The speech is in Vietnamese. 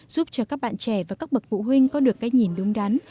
giúp cho các bạn trẻ và các bậc phụ huynh có được cái nhìn đúng đắn